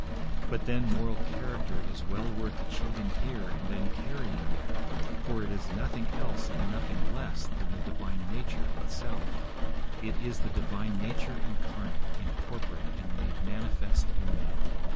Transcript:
But, then, moral character is well worth achieving here and then carrying there, for it is nothing else and nothing less than the divine nature itself; it is the divine nature incarnate, incorporate, and made manifest in man.